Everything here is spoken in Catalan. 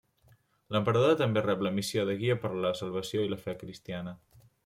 L'emperador també rep la missió de guia per a la salvació i la fe cristiana.